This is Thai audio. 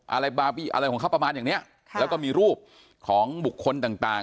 อะไรบาร์บี้อะไรของเขาประมาณอย่างเนี้ยค่ะแล้วก็มีรูปของบุคคลต่างต่าง